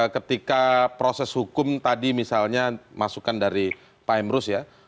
ketika proses hukum tadi misalnya masukan dari pak emrus ya